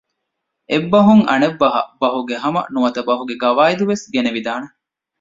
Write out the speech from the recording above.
އެއްބަހުން އަނެއް ބަހަށް ބަހުގެހަމަ ނުވަތަ ބަހުގެ ގަވާއިދު ވެސް ގެނެވިދާނެ